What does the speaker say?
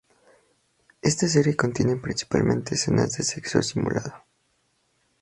Esta serie contiene principalmente escenas de sexo simulado.